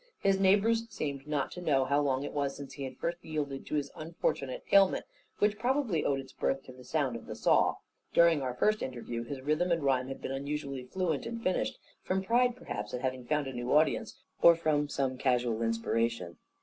His neighbours seemed not to know, how long it was since he had first yielded to his unfortunate ailment; which probably owed its birth to the sound of the saw. During our first interview, his rhythm and rhyme had been unusually fluent and finished, from pride perhaps at having found a new audience, or from some casual inspiration.